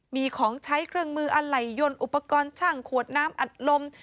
มีของใช้เครื่องมืออะไหล่ยนต์อุปกรณ์ช่างขวดน้ำอัดลม